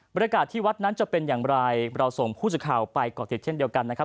บรรยากาศที่วัดนั้นจะเป็นอย่างไรเราส่งผู้สื่อข่าวไปก่อติดเช่นเดียวกันนะครับ